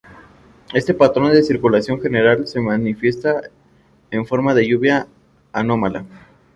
Este patrón de circulación general se manifiesta en forma de lluvia anómala.